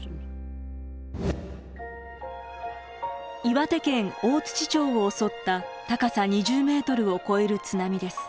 岩手県大町を襲った高さ２０ｍを超える津波です。